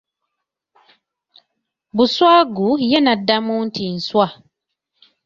Buswagu, ye n'addamu nti nswa.